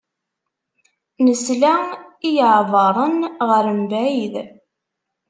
Nesla i yeɛbaṛen ɣer mebɛid.